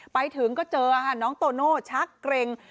ไปถึงก็เจอค่ะน้องโตโน่ชักเกร็ง